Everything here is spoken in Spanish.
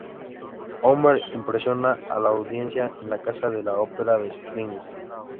Homer impresiona a la audiencia en la Casa de la Ópera de Springfield.